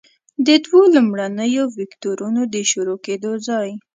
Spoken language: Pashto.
د دوو لومړنیو وکتورونو د شروع کیدو ځای.